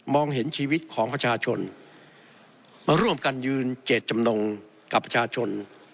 เห็นชีวิตของประชาชนมาร่วมกันยืนเจตจำนงกับประชาชน